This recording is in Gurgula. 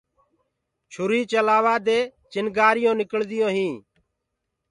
چوري چلآوآ دي چِڻگينٚ نِڪݪديونٚ هينٚ۔